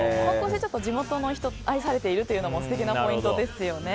地元の人に愛されているというのも素敵なポイントですよね。